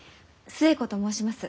寿恵子と申します。